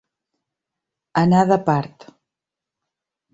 Anar de part.